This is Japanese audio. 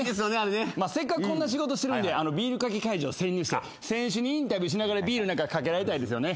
せっかくこんな仕事してるんでビールかけ会場潜入して選手にインタビューしながらビールかけられたいですよね。